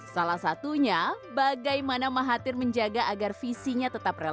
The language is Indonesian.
salah satunya bagaimana mahathir menjaga agar visinya tetap relevan